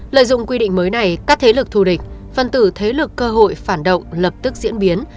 lợi dụng quy định mới này các thế lực thù địch phân tử thế lực cơ hội phản động lập tức diễn biến